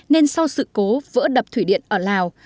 nên sau sự cố vỡ đập thủy điện ở lào